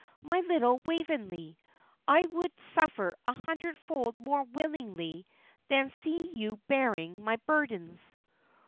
My little Waveney, I would suffer a hundred fold more willingly than see you bearing my burdens."